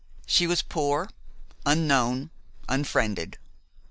She was poor, unknown, unfriended!